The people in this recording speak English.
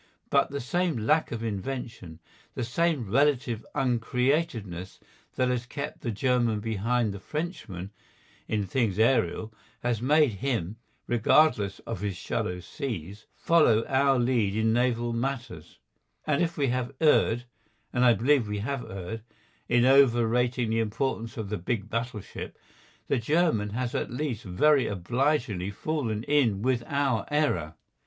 But the same lack of invention, the same relative uncreativeness that has kept the German behind the Frenchman in things aerial has made him, regardless of his shallow seas, follow our lead in naval matters, and if we have erred, and I believe we have erred, in overrating the importance of the big battleship, the German has at least very obligingly fallen in with our error.